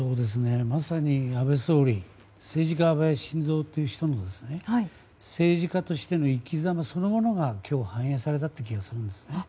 まさに安倍総理政治家・安倍晋三という人の政治家としての生きざまそのものが今日反映されたという気がするんですね。